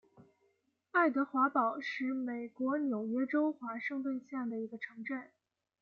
爱德华堡是美国纽约州华盛顿县的一个城镇。